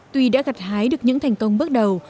tuy đã gặt hái được những thành công bước đầu